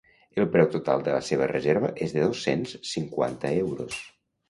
El preu total de la seva reserva és de dos-cents cinquanta euros.